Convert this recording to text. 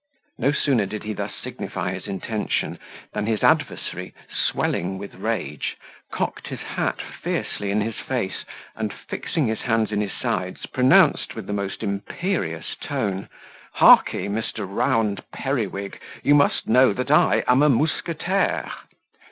No sooner did he thus signify his intention, than his adversary, swelling with rage, cocked his hat fiercely in his face, and, fixing his hands in his sides, pronounced, with the most imperious tone, "Hark ye, Mr. Round Periwig, you must know that I am a mousquetaire."